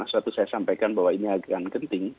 saat itu saya sampaikan bahwa ini agak keting